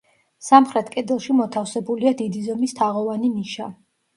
სამხრეთ კედელში მოთავსებულია დიდი ზომის თაღოვანი ნიშა.